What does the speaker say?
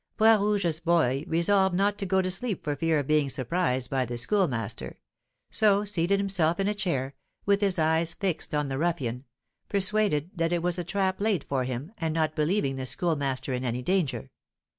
Bras Rouge's boy resolved not to go to sleep for fear of being surprised by the Schoolmaster, so seated himself in a chair, with his eyes fixed on the ruffian, persuaded that it was a trap laid for him, and not believing the Schoolmaster in any danger.